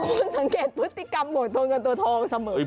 คุณสังเกตพฤติกรรมของตัวเงินตัวทองเสมอ